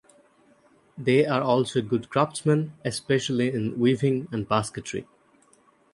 They are also good craftsmen especially in weaving and basketry.